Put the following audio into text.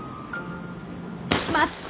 待って。